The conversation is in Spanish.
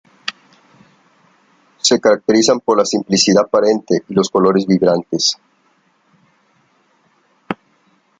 Se caracterizan por la simplicidad aparente y los colores vibrantes.